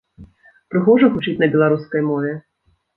Прыгожа гучыць на беларускай мове?